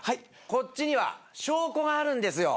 こっちには証拠があるんですよ。